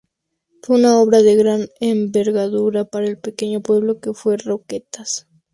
Fue una obra de gran envergadura para el pequeño pueblo que fue Roquetas.